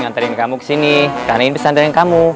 nganterin kamu kesini karena ini pesantren kamu